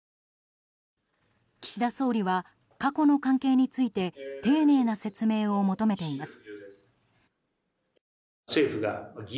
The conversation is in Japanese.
岸田総理は過去の関係について丁寧な説明を求めています。